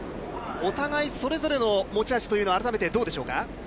お互い、それぞれの持ち味というのは改めてどうでしょうか。